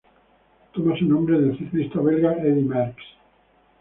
Toma su nombre del ciclista belga Eddy Merckx.